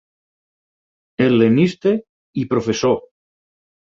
Hel·lenista i professor.